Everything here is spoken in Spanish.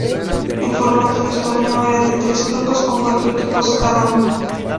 El formato del torneo era de tres grupos con cuatro equipos cada uno.